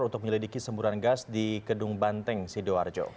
untuk menyelidiki semburan gas di kedung banteng sidoarjo